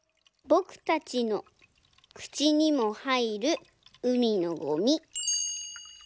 「ぼくたちのくちにもはいるうみのゴミ」。